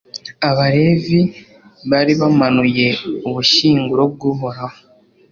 abalevi bari bamanuye ubushyinguro bw'uhoraho